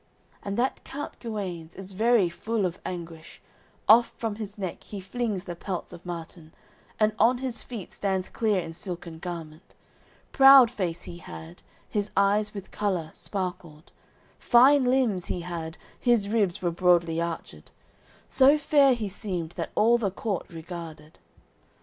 And that count Guenes is very full of anguish; Off from his neck he flings the pelts of marten, And on his feet stands clear in silken garment. Proud face he had, his eyes with colour, sparkled; Fine limbs he had, his ribs were broadly arched So fair he seemed that all the court regarded.